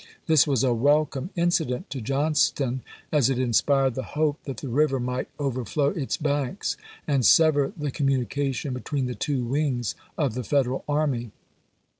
This was a welcome incident to Johnston, as it inspired the hope that the river might overflow its banks and sever the communi cation between the two wings of the Federal army.